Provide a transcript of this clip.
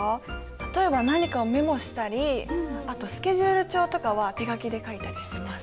例えば何かをメモしたりあとスケジュール帳とかは手書きで書いたりしてます。